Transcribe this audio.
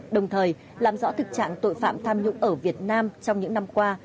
đồng thời làm rõ thực trạng tội phạm tham nhũng ở việt nam trong những năm qua